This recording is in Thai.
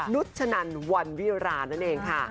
นุชนันวันวิรานั่นเองค่ะ